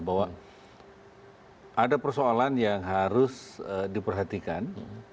bahwa ada persoalan yang harus diperhatikan